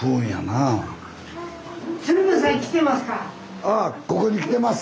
ああここに来てまっせ。